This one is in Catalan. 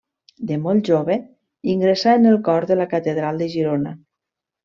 De molt jove ingressà en el cor de la catedral de Girona.